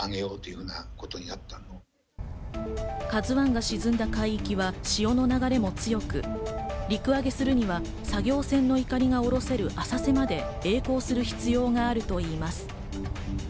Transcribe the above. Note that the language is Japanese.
「ＫＡＺＵ１」が沈んだ海域は潮の流れも強く、陸揚げするには作業船の碇が下ろせる浅瀬までえい航する必要があるといいます。